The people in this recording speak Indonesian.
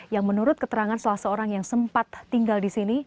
yang menurut keterangan salah seorang yang sempat tinggal di sini